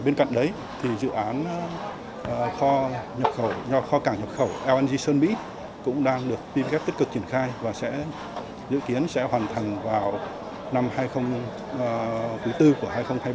bên cạnh đấy dự án kho cảng nhập khẩu lng sơn mỹ cũng đang được ppgep tích cực triển khai và dự kiến sẽ hoàn thành vào năm cuối tư của hai nghìn hai mươi ba